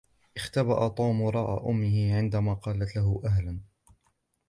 اختبأ توم وراء أمّه عندما قلت له "أهلا".